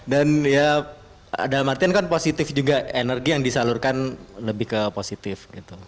dan ya dalam artian kan positif juga energi yang disalurkan lebih ke positif